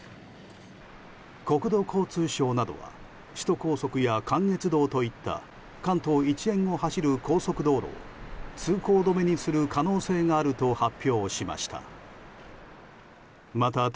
国土交通省などは首都高速や関越道といった関東一円を走る高速道路を通行止めにする可能性があると発表しました。